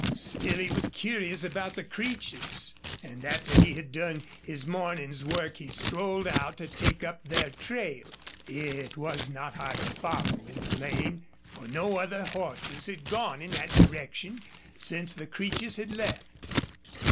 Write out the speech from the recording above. Still, he was curious about the Creeches, and after he had done his morning's work he strolled out to take up their trail. It was not hard to follow in the lane, for no other horses had gone in that direction since the Creeches had left.